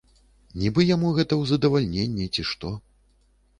Нібы яму гэта ў задавальненне, ці што.